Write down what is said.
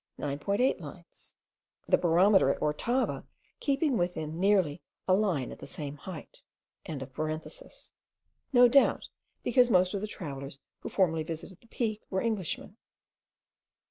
8 lines; the barometer at Orotava keeping within nearly a line at the same height.)), no doubt because most of the travellers, who formerly visited the peak, were Englishmen.